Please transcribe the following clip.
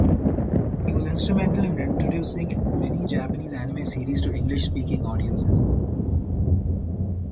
He was instrumental in introducing many Japanese anime series to English-speaking audiences.